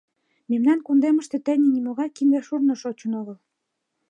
Мемнан кундемыште тений нимогай кинде-шурно шочын огыл.